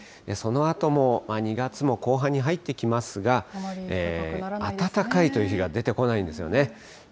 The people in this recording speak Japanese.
そのあとも２月も後半に入ってきますが、暖かいという日が出てこないんですね。